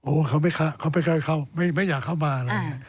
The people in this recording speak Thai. โอ๊ยเขาไปเคาะเข้าไม่อยากเข้ามา